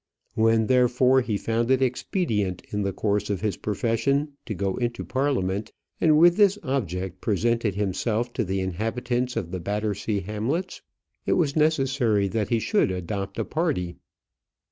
When, therefore, he found it expedient in the course of his profession to go into Parliament, and with this object presented himself to the inhabitants of the Battersea Hamlets, it was necessary that he should adopt a party.